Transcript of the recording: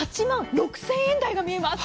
８万６０００円台が見えます。